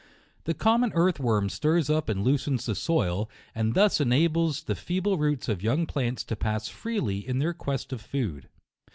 The common earth worm stirs up and loosens the soil, and thus enables the fee ble roots of young plants to pass freely in their quest of food.